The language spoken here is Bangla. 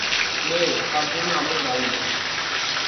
মেল, তার জন্য আমরা দায়ী না।